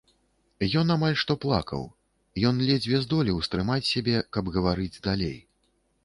Ён амаль што плакаў, ён ледзьве здолеў стрымаць сябе, каб гаварыць далей.